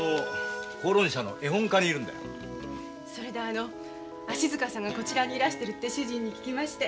それであの足塚さんがこちらにいらしてるって主人に聞きまして。